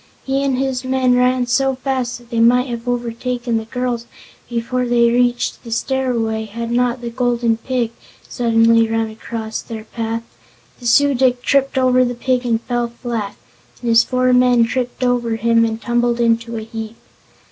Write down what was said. He and his men ran so fast that they might have overtaken the girls before they reached the stairway had not the Golden Pig suddenly run across their path. The Su dic tripped over the pig and fell flat, and his four men tripped over him and tumbled in a heap.